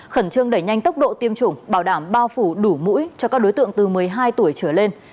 khẩn trương đẩy nhanh tốc độ tiêm chủng bảo đảm bao phủ đủ mũi cho các đối tượng từ một mươi hai tuổi trở lên